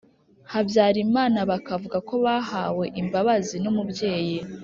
Habyarimana bakavuga ko bahawe imbabazi n umubyeyi